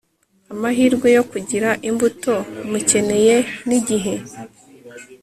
amahirwe yo kugira imbuto mukeneye nigihe